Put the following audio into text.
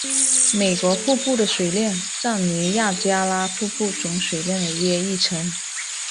美国瀑布的水量占尼亚加拉瀑布总水量的约一成。